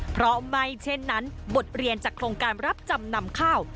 เพราะไม่เช่นนั้นบทเรียนจากโครงการรับจำนำข้าว